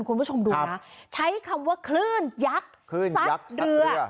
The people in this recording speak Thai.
คุณผู้ชมดูนะใช้คำว่าคลื่นยักษ์ซัดเรือ